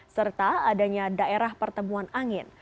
serta adanya daerah pertemuan angin